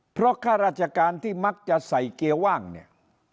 เพราะข้าราชการที่มักจะใส่เกียร์ว่างเนี่ย